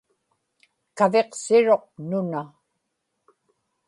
kaviqsiruq nuna